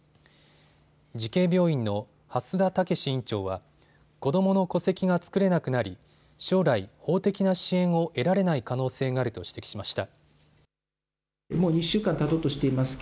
慈恵病院の蓮田健院長は子どもの戸籍が作れなくなり将来、法的な支援を得られない可能性があると指摘しました。